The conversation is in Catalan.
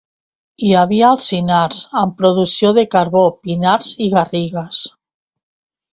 Hi havia alzinars, amb producció de carbó, pinars i garrigues.